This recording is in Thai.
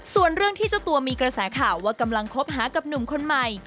ส่วนเรื่องที่เจ้าตัวมีกระแสข่าวว่ากำลังคบหากับหนุ่มคนใหม่